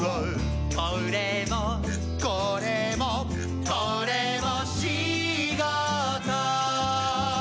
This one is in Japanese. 「これもこれもこれもしごと」